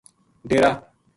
ڈیرا